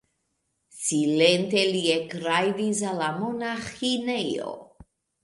Silente ili ekrajdis al la monaĥinejo.